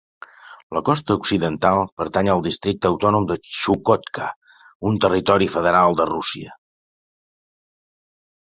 La costa occidental pertany al districte autònom de Chukotka, un territori federal de Rússia.